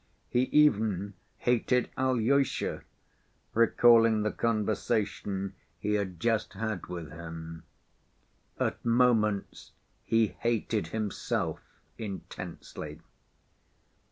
He even hated Alyosha, recalling the conversation he had just had with him. At moments he hated himself intensely.